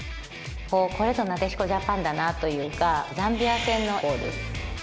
これぞなでしこジャパンだなっていうか、ザンビア戦のゴールです。